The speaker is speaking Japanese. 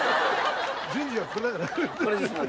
純次はこれだから。